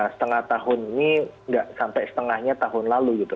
setengah tahun ini nggak sampai setengahnya tahun lalu gitu